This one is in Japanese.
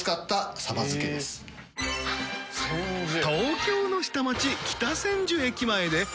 東京の下町北千住駅前で朕